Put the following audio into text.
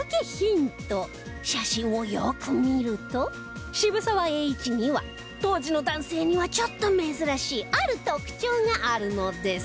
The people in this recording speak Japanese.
写真をよく見ると渋沢栄一には当時の男性にはちょっと珍しいある特徴があるのです